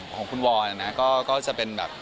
ของคุณวอนนะก็จะเป็นแบบ